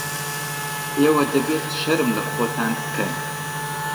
ئێوە دەبێت شەرم لە خۆتان بکەن.